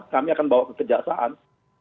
kami akan bawa kekejaksaan